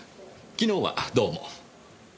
昨日はどうも。